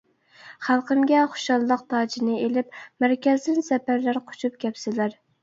خەلقىمگە خۇشاللىق تاجىنى ئىلىپ، مەركەزدىن زەپەرلەر قۇچۇپ كەپسىلەر.